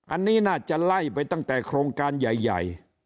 อันนี้น่าจะไล่ไปตั้งแต่โครงการใหญ่